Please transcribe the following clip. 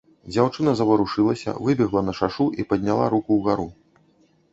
Дзяўчына заварушылася, выбегла на шашу і падняла руку ўгару.